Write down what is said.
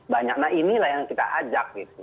banyak nah inilah yang kita ajak gitu